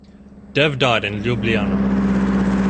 Dev died in Ljubljana.